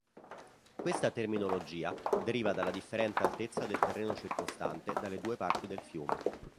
Questa terminologia deriva dalla differente altezza del terreno circostante dalle due parti del fiume.